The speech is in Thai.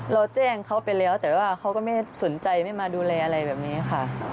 เราแจ้งเขาไปแล้วแต่ว่าเขาก็ไม่สนใจไม่มาดูแลอะไรแบบนี้ค่ะ